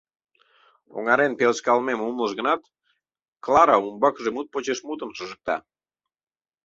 Оҥарен пелешткалымем умылыш гынат, Клара умбакыже мут почеш мутым шыжыкта: